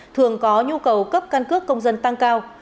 thường có nhu cầu cấp căn cước công dân tăng cao